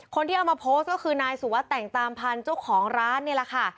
คนที่เอามาโพสต์ก็คือนายสุวัสดิแต่งตามพันธุ์เจ้าของร้านนี่แหละค่ะ